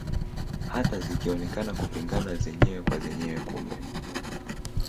Hata zikionekana kupingana zenyewe kwa zenyewe kumbe